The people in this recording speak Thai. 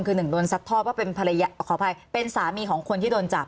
คือหนึ่งโดนซัดทอดว่าเป็นภรรยาขออภัยเป็นสามีของคนที่โดนจับ